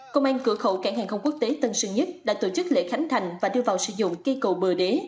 công an cửa khẩu cảng hàng không quốc tế tân sơn nhất đã tổ chức lễ khánh thành và đưa vào sử dụng cây cầu bờ đế